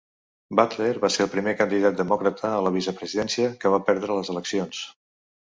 Butler va ser el primer candidat demòcrata a la vicepresidència que va perdre les eleccions.